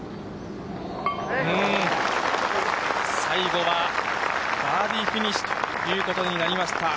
うーん、最後はバーディーフィニッシュということになりました。